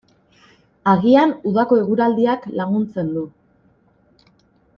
Agian udako eguraldiak laguntzen du.